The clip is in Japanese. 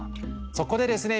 そこでですね